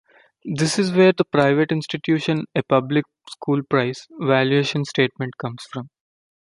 This is where the "private institution a public school price" valuation statement comes from.